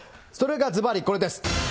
それがずばりこれです。